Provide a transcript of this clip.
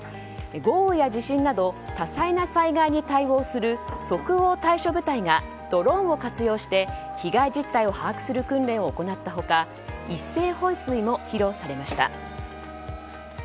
豪雨や地震など多彩な災害に対応する即応対処部隊がドローンを活用して被害実態を把握する訓練を行った他一斉放水も披露されました。